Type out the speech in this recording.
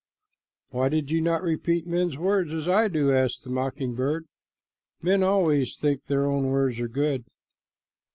"Why did you not repeat men's words as I do?" asked the mocking bird. "Men always think their own words are good."